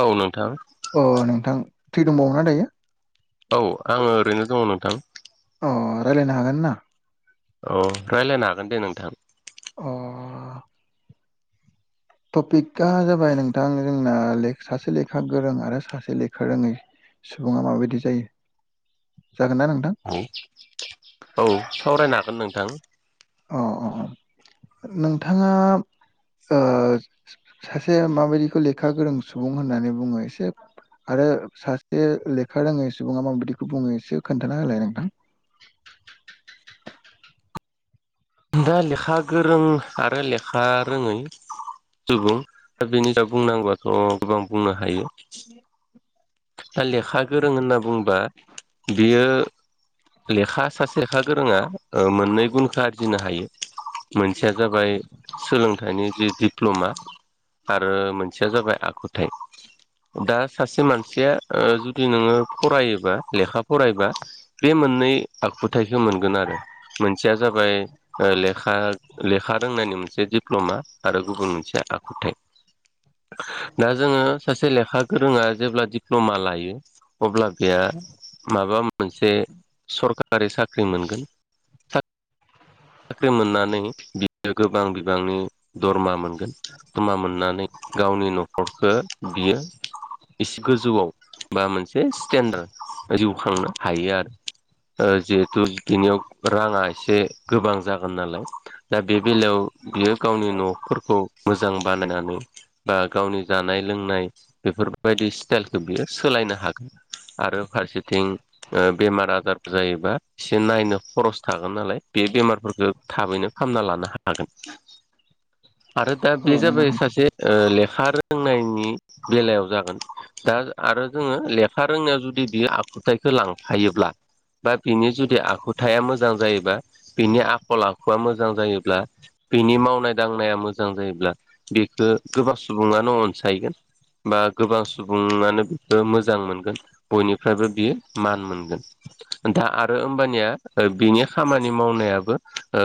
औ नोंथां अ नोंथां फ्रि दंबावो ना दायो? औ आङो ओरैनो दङो नोंथां। अ रायलायनो हागोन ना? अ रायलायनो हागोन दे नोंथां। अ टपिकआ जाबाय नोंथां जोंना सासे लेखा गोरों आरो सासे लेखा रोङै सुबुङा माबायदि जायो जागोन ना नोंथां औ औ सावरायनो हागोन नोंथां। अ अ नोंथाङा ओ सासे माबायदिखौ लेखा गोरों सुबुं होननानै बुङो एसे आरो सासे लेखा रोङै सुबुङा मा बिायदिखौ बुङो एसे खोन्थाना होलाय नोंथां। [inaudible] दा लेखा गोरों आरो लेखा रोङै सुबुं दा बेनि सायाव बुंनांगौआथ' गोबां बुंनो हायो। दा लेखा गोरों होनना बुंबा बियो लेखा सासे लेखा गोरोङा ओ मोननै गुनखा बुजिनो हायो ।मोनसेया जाबाय सोलोंथाइनि जि दिप्ल'मा आरो मोनसेया जाबाय आखुथायाइ दा सासे मानसि सेया जुदि नोङो फरायोबा लेखा फरायबा बे मोननै आखुथायखौ मोनगोन आरो मोनसेया जाबाय लेखा लेखा रोंनायनि मोनसे दिप्ल'मा आरो गुबुन मोनसे आखुथाय। दा जोंङो सासे लेखा गोरोङा जेब्ला दिप्लमा लायो अब्ला बेहा माबा मोनसे सरकारि साख्रि मोनगोन [inaudible] साख्रि मोननानै बियो गोबां बिबांनि दरमा मोनगोन दरमा मोननानै गावनि न'खरखो बियो एसे गोजौआव बा मोनसे स्टेेनडार्ड जिउ खांनो हायो आरो जिहेथु बिनियाव राङा एसे गोबां जागोन नालाय दा बे बेलायाव बियो गावनि न'फोरखौ मोजां बानायनानै बा गावनि जानाय लोंनाय बेफोरबायदि स्टाइलखौ बियो सोलायनो हागोन आरो फारसेथिं बेमार आजार जायोबा एसे नायनो खरस थागोन नालाय बे बेमारफोरखौ थाबैनो फाहामना लानो हागोन आरो दा औ बे नंगौ जाबाय नोंथां सासे ले लेखा रोंनायनि बेलायाव जागोन दा आरो जोङो लेखा रोंनायाव जुदि बियो आ आखुथायखौ लांफायोब्ला बा बिनि जुदि आखुथाया मोजां जायोबा बिनि आखल आखुआ मोजां जायोब्ला बिनि मावनाय दांनाया मोजां जायोब्ला बेखौ गोबां सुबुङानो अनसायगोन बा गोबां सुबुङानो बेखौ मोजां मोनगोन बयनिफ्रायबो बियो मान मोनगोन दा आरो होमबानिया बिनि खामानि नि मावनायाबो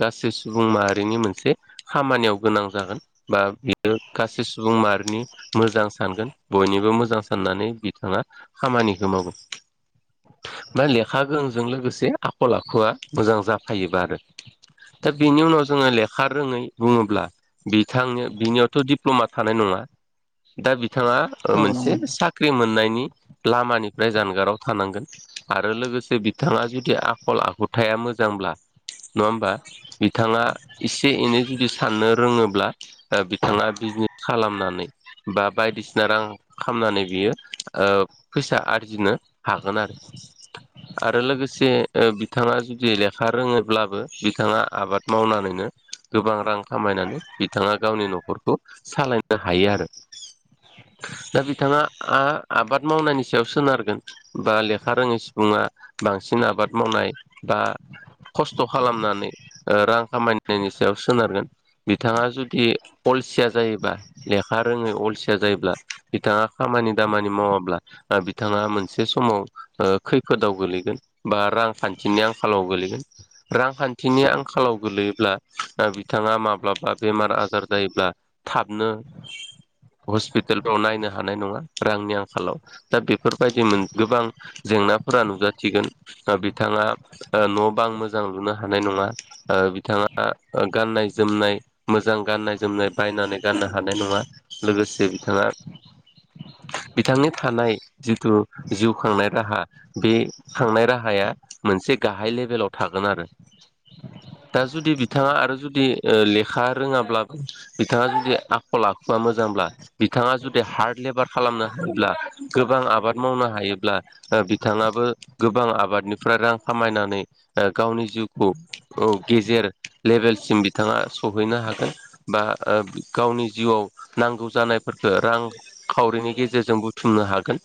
गासै सुबुं माहारिनि मोनसे खामानियाव गोनां जागोन बा बियो गासै सुबुं मारिनि मोजां सानगोन बयनिबो मोजां साननानै बिथाङा खामानिखौ मावगोन [inaudible] बे लेखा गोरोंजों लोगोसे आखल आखुआ मोजां जाफायोबा आरो दा बिनि उनाव जोंङो लेखा रोङै बुङोब्ला बिथांनो बिनियावथ दिडप्लमा थानाय नङा दा बिथाङा ओ औ नंगौ मोनसे नोंथां साख्रि मोन नायनि लामानिफ्राय जानगाराव थानांगोन आरो लोगोसे बिथाङा जुदि आखल आखु खुथाया मोजांब्ला [inaudible] नङा होमबा बिथाङा एसे एनै जुदि साननो रोङोब्ला बिथाङा बिजनेस खालामनानै बा बायदिसिना रां खालामनानै बियो फैसा ओ आरजिनो हागोन आ आरो लोगोसे बिथाङा जुदिखा लेखा हा रोङोब्लाबो बिथाङा आबाद मावनानैनो गोबां रां खामायनानै बिथाङा गावनि न'खर न'खरखौ सालायनो हायो आरो दा बिथाङा आ आबाद मावनायनि सायाव सोनारगोन बा लेखा रोङै सुबुङा बांसिन आबाद मावनाय बा खस्थ खालामनानै ओ रां खामायनायनि सायाव सोनारगोन बिथाङा जुदि अलसिया जायोबब्ला लेखा रोङै अलसिया जायोब्ला बिथाङा खामानि दामानि मावाब्ला बिथाङा मोनसे समाव ओ खैफोदाव गोलैगोन बा रांखान्थिनि आं खालाव गोलैगोन ।रांखान्थिनि आंखालाव गोलैयोब्ला बिथाङा माब्लाबा बेमार आजार जायोब्ला थाबनो हस्पिटालफ्राव नायनो हानाय नङा रांनि आंखालाव। दा बेफोरबायदिमोन गोबां जें नाफोरा नुजाथिगोन बिथाङा न' बां मोजां लुनो हानाय नङा । ओ बिथाङा गाननाय जोमनाय मो जां गाननाय जोमनाय बायनानै गाननो हानाय नङा ।लोगोसे बिथाङा [inaudible] बिथांनि थानाय जिथु जिउ खांनाय राहा बे खांनाय राहाया मोनसे गाहाय लेभेलाव थागोन आरो। दा जुदि बिथाङा आरो जुदि लेखा रोङाब्लाबो बिथाङा जुदि आखल आखुवा मोजां ब्ला बिथाङा जुदि हार्ड लेबार खालामनो हायोब्ला, गोबां आबाद मावनो हायोब्ला ओ बिथाङाबो गोबां आबादनि फ्रा रां खामायनानै गावनि जिउखौ औ गेजेर लेभेलसिम बिथाङा सौहैनो हागोन बा ओ गावनि जिउआव नांगौ जानायफोरखो रां खावरि नि गेजेरजों बुथुमनो हागोन।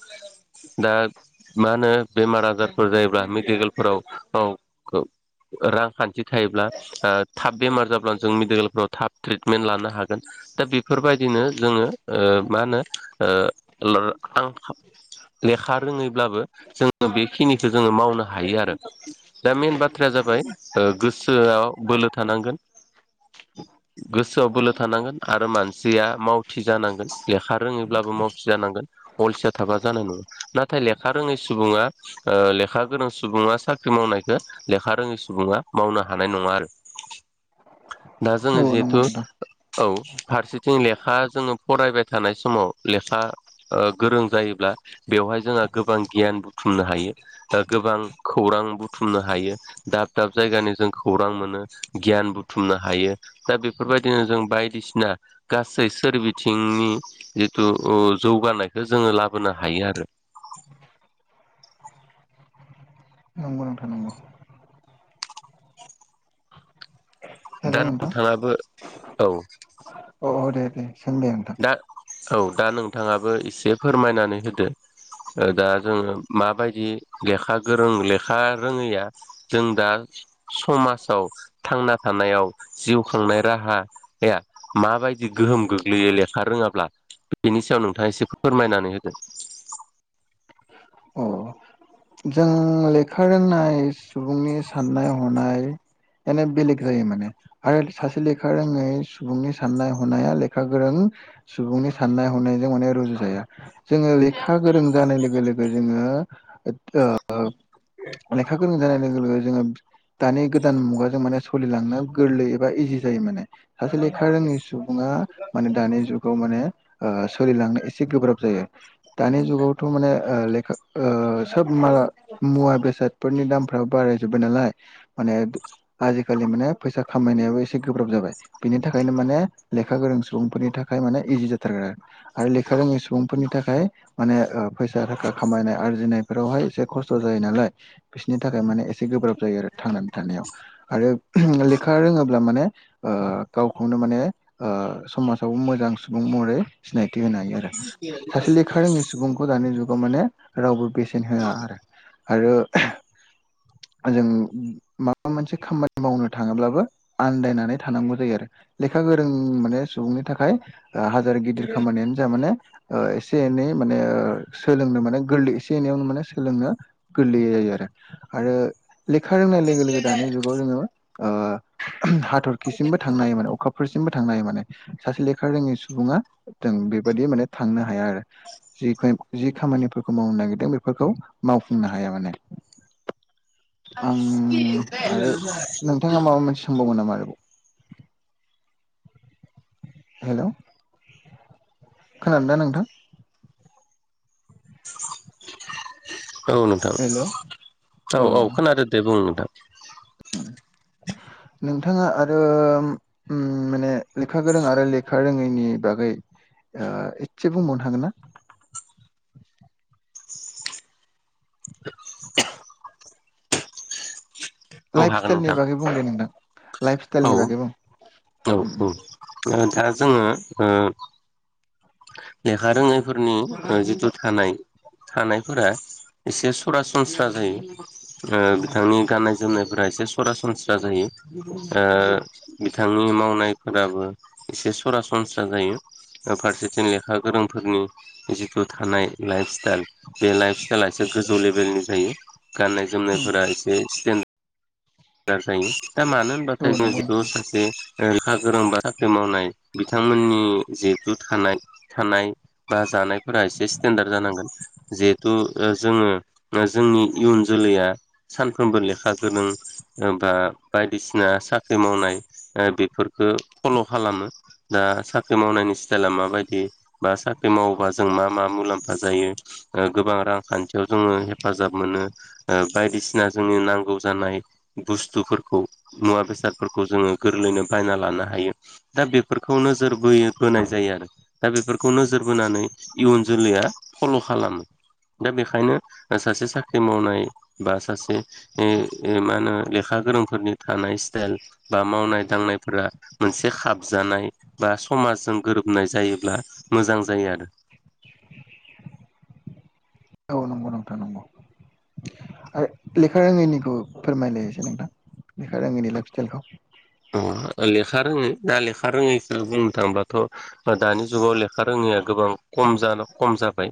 दा मा होनो बेमार आजारफोर जायोब्ला [unintelligible] गोलफोराव औ। रांखान्थि थायोब्ला ओ थाब बेमार जाब्लानो जों मेडिकेलफ्राव थाब ट्रिटमेन्ट लानो हागोन। दा बेफोरबादिनो जोङो ओ मा होनो ओ ला-ला आंखाल लेखा रोङैब्लाबो जोङो बेखिनिखो जोङो मावनो हा हायो आरो। दा मेन बाथ्राया जाबाय गोसोआव बोलो थानांगोन। गोसोआव बोलो थानांगोन आरो मानसिया मावथि जानांगोन लेखा रोङैब्लाबो मावथि जानांगोन अलसिया थाबा जानाय नङा। नाथाय लेखा रोङै सुबुंआ ओ लेखा गोरोंनां सुबुङा साख्रि मावनायखो लेखा रोङै सुबुङा मावनो हानाय नङा आरो। [inaudible] दाजोङो नंगौ जिहेतु नोंथां औ फारसेथिं लेखा जोंङो फरायबाय थानाय समाव लेखा गोरों जायोब्ला बेवहाय जोंहा गोबां गियान बुथुमनो हायो। गोबां खौरां बुथुमनो हायो। दाब दाब जायगानि जों खौरां मोनो गियान बुु बुथुमनो हायो दा बेफोरबायदिनो जों बायदिसिना गासै सोरबिथिंनि तु जौगानायखो जोङो लाबोनो हायो आरो। नंगौ नोंथां नंगौ। हेल' दा नोंथाङाबो औ। औ औ दे दे सोंदे नोंथां। दा औ दा नोंथाङाबो एसे फोरमायनानै होदो। दा जोङो माबायदि लेखा गोरों लेखा रोङैया जों दा समाजाव थांना थानायाव जिउ खांनाय राहाया माबा बायदि गोहोम गो ग्लैयो लेखा रोङाब्ला, बिनि सायाव नोंथाङा एसे फोरमायनानै होदो। अ जों लेखा रोंनाय सुबुंनि साननाय हनाय माने बेलेग जायो माने आरो सासे लेखा रोङै सुबुंनि साननाय हनाया लेखा गोरों सुबुंनि साननाय हनायजों माने रुजु जाया। जोङो लेखा गोरों जानाय लोगो लोगो जोङो लेखा गोरों जानाय लोगो लोगो जोङो दानि गोदान मुगाजों माने सलिलांनो गोरलै एबा इजि जायो माने। सासे लेखा रोङै सुबुङा माने दानि जुगाव माने ओ सोलिलांनो एसे गोब्राब जायो। दानि जुगावथ' माने ओ लेखा ओ सोब म मुवा बेसादफोरनि दामफोर बो बाराय जोब्बाय नालाय माने आजिखालि माने फैसा खामायनायाबो एसे गोब्राब जाबाय। बेनि थाखायनो माने लेखा गोरों सुबुंफोरनि थाखाय माने इजि जाथारगोन आरो। आरो लेखा रोङै सुबुंफोरनि थाखाय माने फैसा थाखा खामायनाय आरजिनाय बेफोरावहाय एसे खस्थ' जायो नालाय। बिसिनि थाखाय माने एसे गोब्राब जायो आरो थांनानै थानायाव आरो लेखा रोङोब्ला माने ओ गावखौनो माने ओ समाजाव मोजां सुबुं महरै सिनायथि होनो हायो आरो। सासे लेखा रोङै सुबुंखौ दानि जुगाव माने रावबो बेसेन लेन होआ आरो। आरो जों माबा मोनसे खामानि मावनो थाङोब्लाबो आन्दायनानै थानांगौ जायो आरो। लेखा गोरों माने सुबुंनि थाखाय हाजार गिदिर खामानियानो जा माने एसे एनै माने सोलोंनो माने गोरलै सोलोंनो गोरलै जायो आरो आरो लेखा रोंनाय लोगो दानि जुगाव जोङो हाथरखिसिमबो थांनो हायोमोन अखाफोरसिमबो थांनो हायो माने सासे लेखा रोङि सुबुङा जों बेबायदि माने थांनो हाया आरो जिफाइब जि खामानिफोरखौ मावनो नागिरदों बेफोरखौ मावफुंनो हाया माने आं आरो नोंथाङा माबा मोनसे सोंबावगोन नामा आरोबाव हेलौ खोनादों ना नोंथां औ नोंथां हेलौ औ अ औ खोनादो दे बुं नोंथां नोंथाङा आरो माने लेखा गोरों आरोेखा रोङैनि बागै एसे बुंबावनो हागोन ना औ लाइफ हागोन स्टाइलनि नोंथां बागै बुं दे नोंथां लाइफ औ स्टाइलनि बागै बुं औ उम औ दा जोङो लेखा रोङैफोरनि जिथु थानाय थानायफोरा एसे सरासनस्रा जायो बिथांनि गाननाय जोमनाय एसे सरासनस्रा जायो बिथांनि मावनायफोराबो एसे सरासनस्रा जायो था जों लेखा गोरोंफोरनि जिथु थानाय लाइफ स्टाइल बे लाइफ स्टाइला एसे गोजौ लेभेलनि जो गाननाय उम उम जोमनायफोरा एसे स्टडार् जायो। दा मानो होनबाथाय औ जों नंगौ बेखौ नोंथां सासे लेखा गोरों बा साख्रि मावनाय बिथांमोननि जिहेथु थानाय थानाय बा जानायफोरा एसे स्टेेनडार्ड जानांगोन जिहेथु जोङो जोंनि इयुन जोलैया सानफ्रोमबो लेखा गोरों दों था बायदिसिना साख्रि मावनाय बेफोरखौ फल' खालामो ना साख्रि मावनायनि स्टाइला माबायदि बा साख्रि मावोबा जों मा मा मुलाम्फा जायो गोबां रांखान्थियाव जोङो हेफाजाब मोनो बायदिसिना जोंनि नांगौ जानाय बुस्थुफोरखौ मुवा बेसादफोरखौ जोङो गोरलैयैनो बायना लानो हायो दा बेफोरखौनो ज नोजोर बो बोनाय जायो आरो दा बेफोरखौ नोजोर बोनानै इयुन जोलैया फल' खालामो दा बेखायनो सासे साख्रि मावनाय बा सासे ओम- ओम मा होनो लेखा गोरोंफोरनि थानाय स्टाइल बा मावनाय दांनायफोरा मोनसे खाबजानाय बा बा समाजजों गोरोबनाय जायोब्ला मोजां जायो आरो [inaudible] औ नंगौ नोंथां नंगौ आरो लेखा रोङैनिखौ फोरमायनाय एसे नोंथां लेखाय रोङिनि लाइफ सटाइलखौ अ लेखा रोङै दा लेखा रोङैखौ बुंनो थाङोबाथ' दानि जुगाव लेखा रोङै जोंनिआ गोबां खम जानो खम जाबाय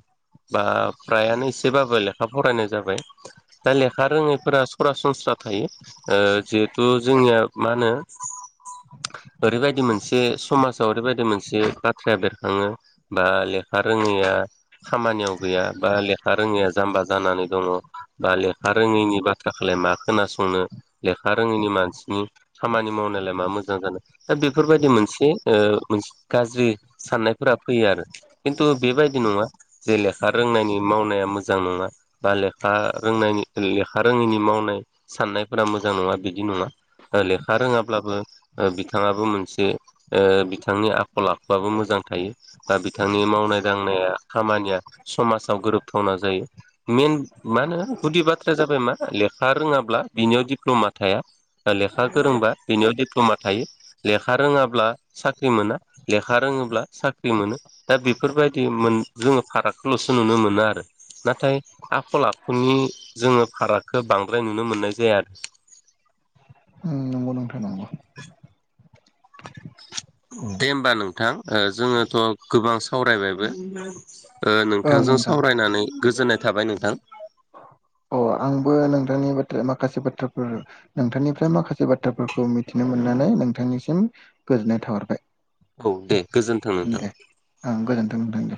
बा फ्रायानो एसेबाबो लेखा फरायनाय जाबाय दा लेखा रोङैफोरा सरासनस्रा थायो जिहेथु जोंनिया मा होनो [inaudible] सा ओरैबायदि मोनसे समाजाव ओरैबायदि मोनसे बाथ्राया बेरखाङो बा लेखा रोङो [unintelligible] खामानियाव गैया बा लेखा रोङैया जाम्बा जानानै दङ बा लेखा रोङैनि बाथ्राखौलाय मा खोनासंनो लेखा रोङैनि मानसिनि खामानि मावनायलाय मा मोजां जानो दा बेफोरबायदि मोनसे ओ मोनसे गाज्रि साननायफोरा फैयो आरो खिन्थु बेबायदि नङा जे लेखा रोंनायनि मावनाया मोजां नङा बा लेखा ओ रोंनायनि लेखा रोङैनि मावनाय साननायफोरा मोजां नङा बिदि नङा लेखा रोङाब्लाबो बिथाङाबो मोनसे बिथांनि आखल आखुआबो मोजां थायो बा बिथांनि मावनाय दांनाया खामानिया समाजाव गोरोबथावना जायो मेन मा होनो गुदि बाथ्राया जाबाय मा लेखा रोङाब्ला बिनियाव दिडप्ल'मा थाया लेखा फोरोंबा बेनियाव दिप्ल'मा थायो लेखा रोङाब्ला साख्रि मोना लेखा रोङोब्ला साख मोनो दा बेफोरबायदि मोन जोङो फारागखौल'सो नुनो मोनो आरो नाथाय आखल आखुनि जोङो फारागखौ बांद्राय नुनो मोननाय जाया आरो उम नंगौ नोंथां नंगौ, [unintelligible] दे होमबा नोंथां जोङोथ' गोबां सावरायबायबो, ओ ओं नोंथांजों नोंथां सावरायनानै गोजोननाय थाबाय नोंथां। [unintelligible] अ आंबो नोंथांनि बाथ्रा माखासे बाथ्राफोर नोंथांनिफ्राय माखासे बाथ्राफोरखौ मिथिनो मोनो, नानै नोंथांनिसिम गोजोननाय थाहरबाय। औ दे गोजोन्थों नोंथां। दे आंबो नोंथां नोंथांनि